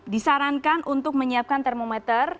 disarankan untuk menyiapkan termometer